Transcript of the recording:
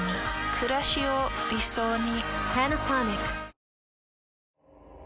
くらしを理想に。